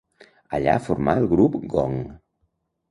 Allà formà el grup Gong.